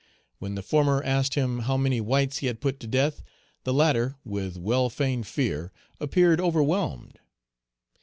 When the former asked him how many whites he had put to death, the latter with well feigned fear, appeared overwhelmed.